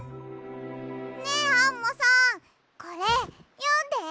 ねえアンモさんこれよんで。